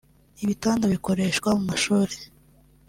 ibitanda bikoreshwa mu mashuri